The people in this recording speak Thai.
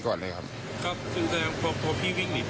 พวกเขากลับเข้าร่วมหรือครับ